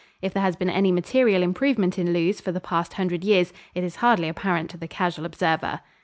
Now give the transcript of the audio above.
If there has been any material improvement in Lewes for the past hundred years, it is hardly apparent to the casual observer.